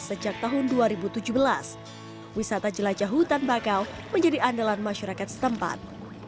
sejak tahun dua ribu tujuh belas wisata jelajah hutan bakau menjadi andalan masyarakat setempat